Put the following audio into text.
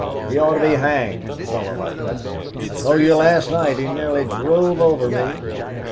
He ought to be hanged, a fellow like that. I told you last night he nearly drove over me.